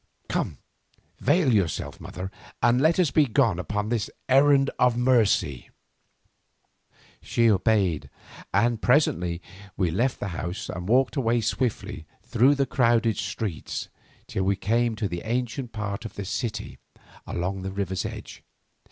"Come, veil yourself, mother, and let us be gone upon this 'errand of mercy.'" She obeyed, and presently we left the house and walked away swiftly through the crowded streets till we came to the ancient part of the city along the river's edge.